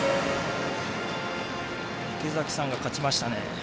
池崎さんが勝ちましたね。